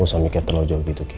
gak usah mikir terlalu jauh gitu ki